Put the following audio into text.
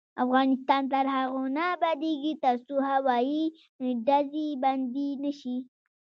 افغانستان تر هغو نه ابادیږي، ترڅو هوایي ډزې بندې نشي.